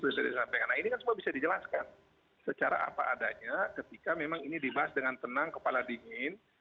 nah ini kan semua bisa dijelaskan secara apa adanya ketika memang ini dibahas dengan tenang kepala dingin